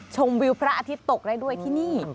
ชมวิวพระอาทิตย์ตกได้ด้วยที่นี่